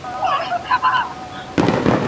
موږ دلته د ټولنپوهنې په اړه خبرې کوو.